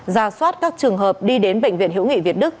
giao soát các trường hợp đi đến bệnh viện hiểu nghị việt đức